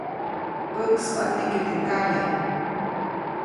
Päʼkspaʼuŋ nike teʼ kabe.